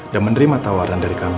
dan menerima tawaran dari kami